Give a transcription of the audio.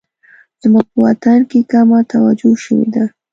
زموږ په وطن کې کمه توجه شوې ده